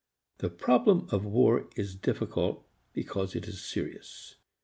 The problem of war is difficult because it is serious.